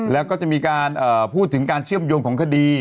แล้วก็จะมีการพูดถึงการเชื่อมโยงของคดี